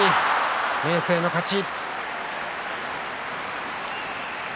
明生の勝ち。